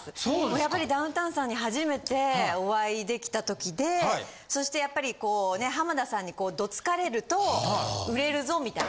やっぱりダウンタウンさんに初めてお会いできた時でそしてやっぱりこうね浜田さんにどつかれると売れるぞみたいな。